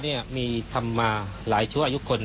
มีทำมาหลายชั่วอายุคน